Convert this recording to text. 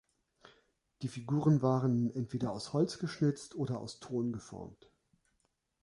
Die Figuren waren entweder aus Holz geschnitzt oder aus Ton geformt.